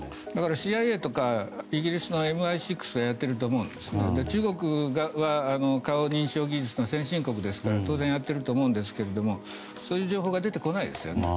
ＣＩＡとかイギリスのＭＩ６がやっていると思うんですけど中国は顔認証技術の先進国ですので当然やっていると思うんですがそういう情報が出てこないですよね。